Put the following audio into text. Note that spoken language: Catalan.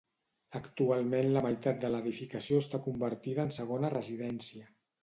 Actualment la meitat de l'edificació està convertida en segona residència.